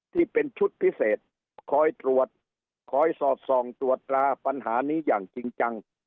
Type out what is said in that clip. ที่เป็นชุดพิเศษคอยตรวจคอยสอดส่องตรวจตราปัญหานี้อย่างจริงจัง